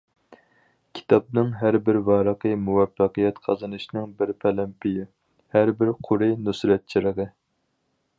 كىتابنىڭ ھەربىر ۋارىقى مۇۋەپپەقىيەت قازىنىشنىڭ بىر پەلەمپىيى، ھەربىر قۇرى نۇسرەت چىرىغى.